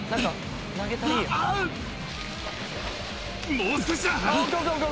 ・もう少しだ！